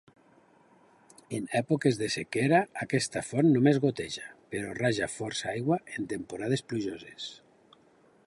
En èpoques de sequera aquesta font només goteja, però raja força aigua en temporades plujoses.